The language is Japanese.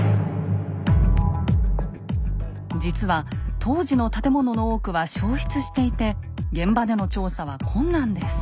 実は当時の建物の多くは焼失していて現場での調査は困難です。